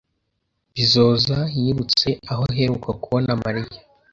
Bizoza yibutse aho aheruka kubona Mariya.